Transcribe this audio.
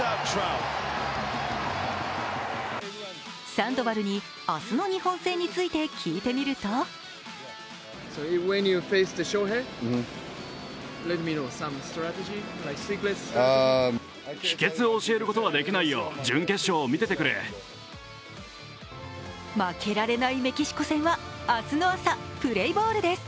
サンドバルに明日の日本戦について聞いてみると負けられないメキシコ戦は明日の朝プレーボールです。